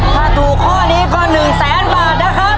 ถ้าถูกข้อนี้ก็๑แสนบาทนะครับ